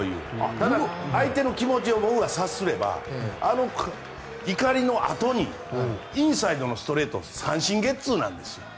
ただ、相手の気持ちを僕が察すれば、怒りのあとにインサイドのストレートで三振ゲッツーなんですよ。